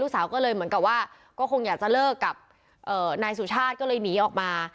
สาวก็เลยเหมือนกับว่าก็คงอยากจะเลิกกับนายสุชาติก็เลยหนีออกมา